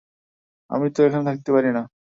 আমি তো এখানে থাকিতে পারি না।